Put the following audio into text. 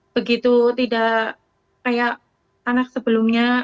begitu tidak kayak anak sebelumnya